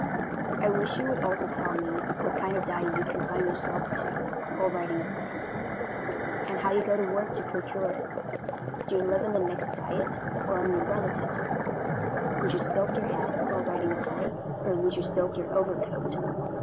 I wish you would also tell me what kind of diet you confine yourself to while writing a play, and how you go to work to procure it. Do you live on a mixed diet, or on your relatives? Would you soak your head while writing a play, or would you soak your overcoat?